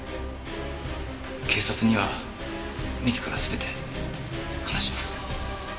警察には自ら全て話します。